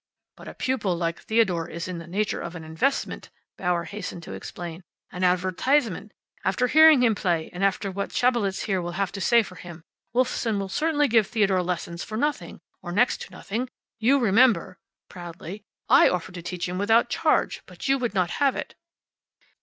"But a pupil like Theodore is in the nature of an investment," Bauer hastened to explain. "An advertisement. After hearing him play, and after what Schabelitz here will have to say for him, Wolfsohn will certainly give Theodore lessons for nothing, or next to nothing. You remember" proudly "I offered to teach him without charge, but you would not have it."